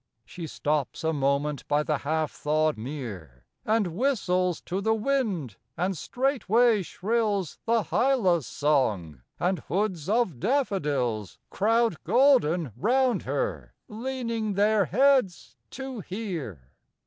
She stops a moment by the half thawed mere And whistles to the wind, and straightway shrills The hyla's song, and hoods of daffodils Crowd golden round her, leaning their heads to hear.